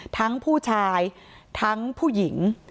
ทั้งผู้ชายทั้งผู้หญิง